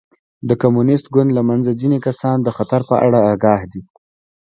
د کمونېست ګوند له منځه ځیني کسان د خطر په اړه اګاه دي.